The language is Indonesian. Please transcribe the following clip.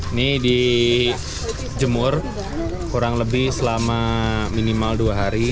ini dijemur kurang lebih selama minimal dua hari